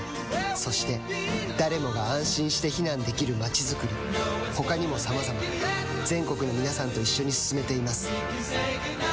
そして誰もが安心して避難できる街づくり他にもさまざま全国の皆さんと一緒に進めています